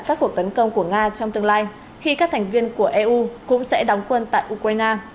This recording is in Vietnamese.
các cuộc tấn công của nga trong tương lai khi các thành viên của eu cũng sẽ đóng quân tại ukraine